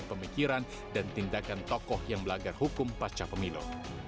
pemikiran dan tindakan tokoh yang melanggar hukum pasca pemilu